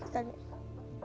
ketua tua mereka berdua